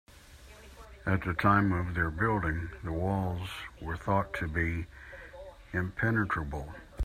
At the time of their building, the walls were thought to be impenetrable.